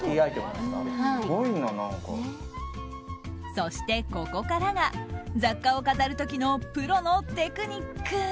そしてここからが雑貨を飾る時のプロのテクニック。